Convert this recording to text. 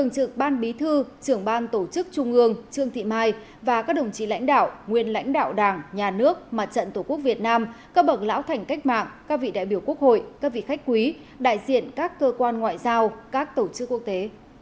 các bậc lão thành cách mạng các vị đại biểu quốc hội các vị khách quý đại diện các cơ quan ngoại giao các tổ chức quốc tế